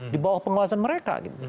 di bawah pengawasan mereka